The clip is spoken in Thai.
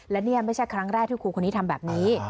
และนี่ไม่ใช่ครั้งแรกที่ครูคนนี้ทำแบบนี้